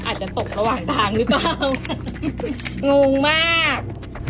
อาจจะตกระหว่างทางหรือเปล่างงมาก